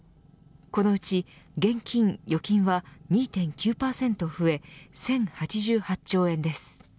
このうち、現金・預金は２．９％増え１０８８兆円です。